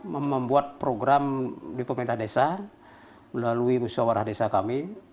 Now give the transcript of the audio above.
membuat program di pemerintah desa melalui musyawarah desa kami